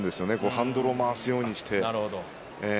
ハンドルを回すようにして。